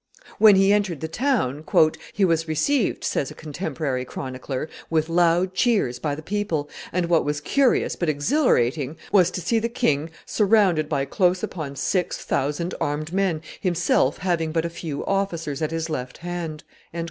When he entered the town, "he was received," says a contemporary chronicler, "with loud cheers by the people; and what was curious, but exhilarating, was to see the king surrounded by close upon six thousand armed men, himself having but a few officers at his left hand."